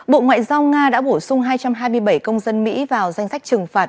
bộ ngoại giao nga đã bổ sung hai trăm hai mươi bảy công dân mỹ vào danh sách trừng phạt